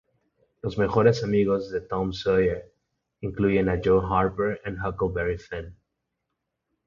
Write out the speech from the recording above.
Los mejores amigos de Tom Sawyer incluyen a Joe Harper y Huckleberry Finn.